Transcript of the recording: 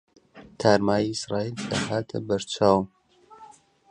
تارماییی عیزراییل دەهاتە بەر چاوم